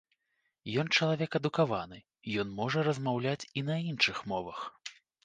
Ён чалавек адукаваны, ён можа размаўляць і на іншых мовах.